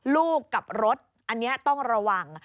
ลูกกับรถอันนี้ต้องระวัง